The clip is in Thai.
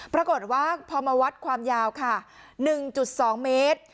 ปรากฏว่าพอมาวัดความยาวค่ะหนึ่งจุดสองเมตร